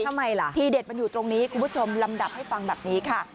ทำไมล่ะทีเด็ดมันอยู่ตรงนี้คุณผู้ชมลำดับให้ฟังแบบนี้ค่ะ